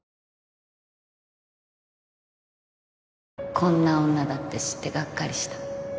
こんな女だって知ってがっかりした？